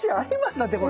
だってこれ。